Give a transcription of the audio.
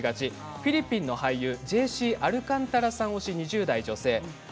フィリピンの俳優ジェーシー・アルカンタラさん推しの２０代の女性です。